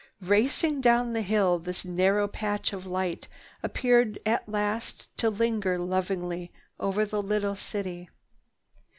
Racing down the hill, this narrow patch of light appeared at last to linger lovingly over the little city.